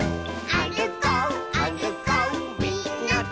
「あるこうあるこうみんなで」